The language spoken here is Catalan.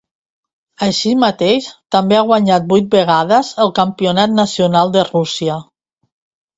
Així mateix també ha guanyat vuit vegades el campionat nacional de Rússia.